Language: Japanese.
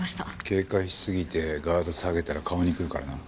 警戒しすぎてガード下げたら顔に来るからな。